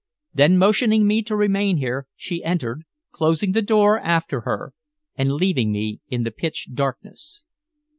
Then, motioning me to remain there, she entered, closing the door after her, and leaving me in the pitch darkness.